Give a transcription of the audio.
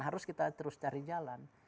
harus kita terus cari jalan